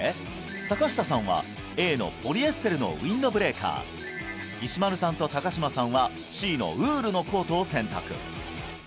坂下さんはＡのポリエステルのウインドブレーカー石丸さんと高島さんはＣのウールのコートを選択